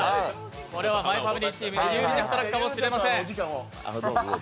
これは「マイファミリー」チームに有利に働くかもしれません。